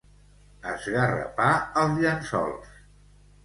Esgarrapar els llençols.